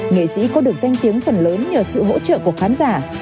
nghệ sĩ có được danh tiếng phần lớn nhờ sự hỗ trợ của khán giả